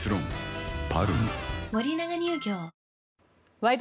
「ワイド！